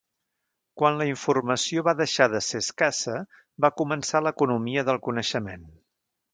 Quan la informació va deixar de ser escassa va començar l'economia del coneixement.